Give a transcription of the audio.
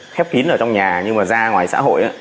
khép kín ở trong nhà nhưng mà ra ngoài xã hội